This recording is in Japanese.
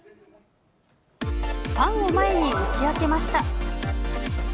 ファンを前に打ち明けました。